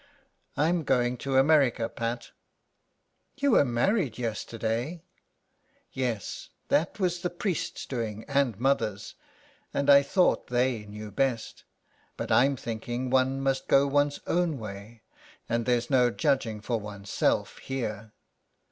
" I'm going to America, Pat." " You were married yesterday." " Yes, that was the priest's doing and mother's, and I thought they knew best. But I'm thinking one must go one's own way, and there's no judging for one's self here.